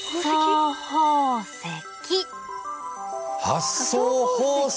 発想宝石？